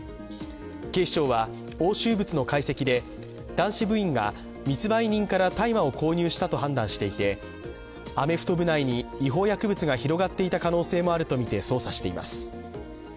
警視庁は押収物の解析で男子部員が密売人から大麻を購入したと判断していて、アメフト部内に違法薬物が広がっている可能性もあるとみて、捜査しています。